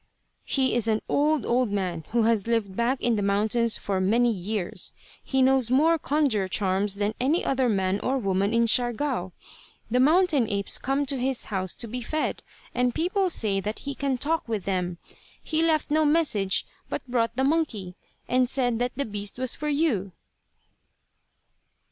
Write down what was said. "He is an old, old man who has lived back in the mountains for many years. He knows more conjure charms than any other man or woman in Siargao. The mountain apes come to his house to be fed, and people say that he can talk with them. He left no message, but brought the monkey, and said that the beast was for you."